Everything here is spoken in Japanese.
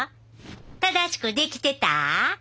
正しくできてた？